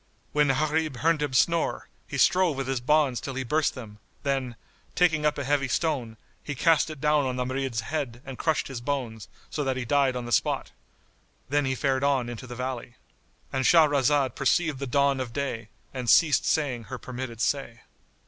When Gharib heard him snore, he strove with his bonds till he burst them; then, taking up a heavy stone, he cast it down on the Marid's head and crushed his bones, so that he died on the spot. Then he fared on into the valley.——And Shahrazad perceived the dawn of day and ceased saying her permitted say.